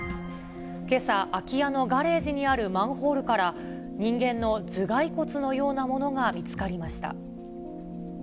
けさ、空き家のガレージにあるマンホールから、人間の頭蓋骨のようなものが見つかりました。